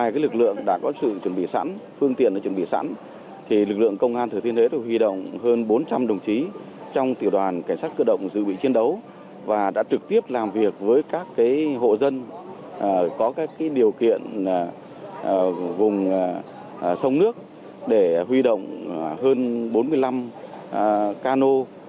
công an tỉnh thừa thiên huế đã làm việc với các hộ dân có điều kiện vùng sông nước để huy động hơn bốn mươi năm cano